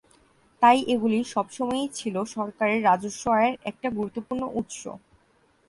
তাই এগুলি সবসময়ই ছিল সরকারের রাজস্ব আয়ের একটা গুরুত্বপূর্ণ উৎস।